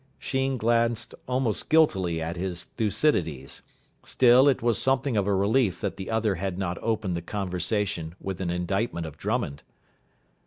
Sheen glanced almost guiltily at his Thucydides. Still, it was something of a relief that the other had not opened the conversation with an indictment of Drummond.